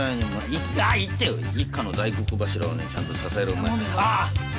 一家の大黒柱をねちゃんと支えろお前あ！